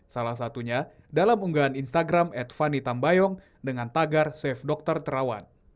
salah satunya dalam unggahan instagram at vanitambayong dengan tagar save dokter terawan